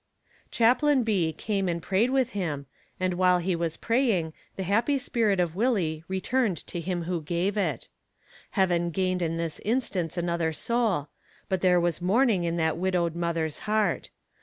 Chaplain B. came and prayed with him, and while he was praying, the happy spirit of Willie returned to Him who gave it. Heaven gained in this instance another soul, but there was mourning in that widowed mother's heart.